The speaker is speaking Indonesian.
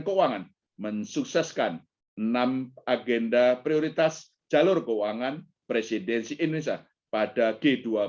keuangan mensukseskan enam agenda prioritas jalur keuangan presidensi indonesia pada g dua puluh